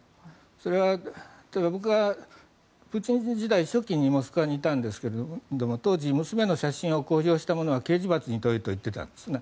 それは僕がプーチン時代初期モスクワにいたんですが当時、娘の写真を公表した者は刑事罰に問えと言っていたんですね。